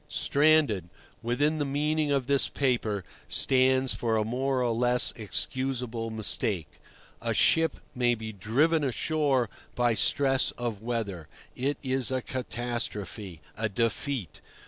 "Stranded" within the meaning of this paper stands for a more or less excusable mistake. A ship may be "driven ashore" by stress of weather. It is a catastrophe, a defeat.